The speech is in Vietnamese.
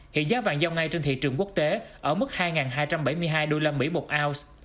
hiện giá vàng giao ngay trên thị trường quốc tế ở mức hai hai trăm bảy mươi hai usd một ounce